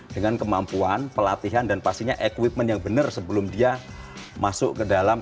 dengan kemampuan pelatihan dan pastinya equipment yang benar sebelum dia masuk ke dalam